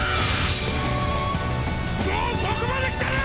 もうそこまで来てる！！